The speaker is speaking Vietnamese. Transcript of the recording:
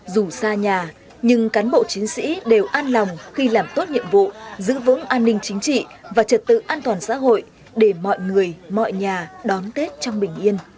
dù xa nhà nhưng cán bộ chiến sĩ đều an lòng khi làm tốt nhiệm vụ giữ vững an ninh chính trị và trật tự an toàn xã hội để mọi người mọi nhà đón tết trong bình yên